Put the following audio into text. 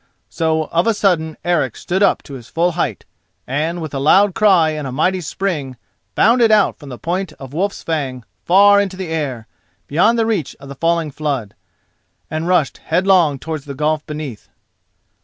So of a sudden Eric stood up to his full height, and, with a loud cry and a mighty spring, bounded out from the point of Wolf's Fang far into the air, beyond the reach of the falling flood, and rushed headlong towards the gulf beneath.